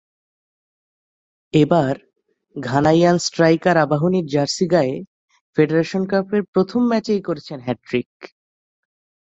এবার Ghanaian striker আবাহনীর jersey গায়ে ফেডারেশন কাপের প্রথম ম্যাচেই করেছেন হ্যাটট্রিক।